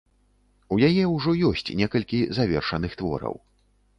У яе ўжо ёсць некалькі завершаных твораў.